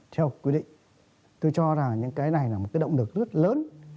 theo quy định tôi cho rằng những cái này là một cái động lực rất lớn